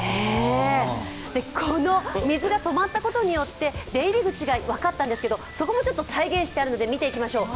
この水が止まったことによって出入り口が分かったんですけど、そこも再現しているので見ていきましょう。